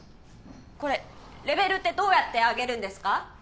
これレベルってどうやって上げるんですか？